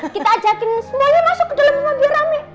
kita ajakin semuanya masuk ke dalam rumah biar rame